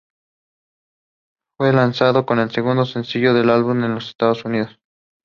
Rafael Queiroz took the role.